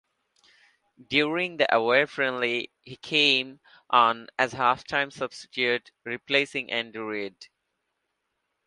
During the away friendly, he came on as half-time substitute, replacing Andy Reid.